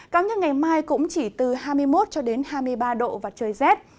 các nước ngày mai cũng chỉ từ hai mươi một hai mươi ba độ và trời rét